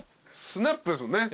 スナップですもんね。